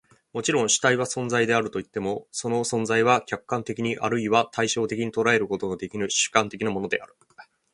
もちろん、主体は存在であるといっても、その存在は客観的に或いは対象的に捉えることのできぬ主観的なものである。